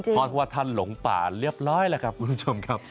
เพราะว่าท่านหลงป่าเรียบร้อยแล้วครับคุณผู้ชมครับ